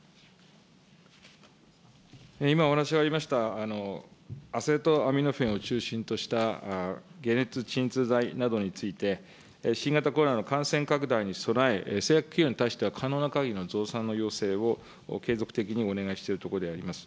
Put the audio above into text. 今お話がありました、アセトアミノフェンを中心とした解熱鎮痛剤などについて、新型コロナの感染拡大に備え、製薬企業に対しては可能なかぎりの増産の要請を継続的にお願いしているところであります。